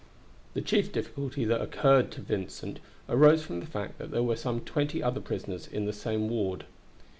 The chief difficulty that occurred to Vincent arose from the fact that there were some twenty other prisoners in the same ward.